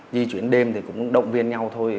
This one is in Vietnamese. di chuyển đêm thì cũng động viên nhau thôi